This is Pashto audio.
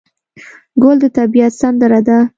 ګل د طبیعت سندره ده.